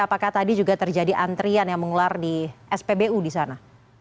apakah tadi juga terjadi antrian yang mengular di spbu di sana